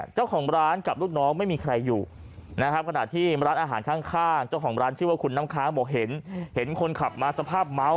เจ้าของร้านชื่อว่าคุณน้ำค้าบอกเห็นคนขับมาสภาพเมา